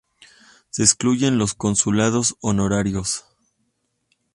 Se excluyen los consulados honorarios.